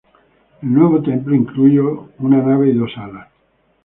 El nuevo templo incluyó una nave y dos alas.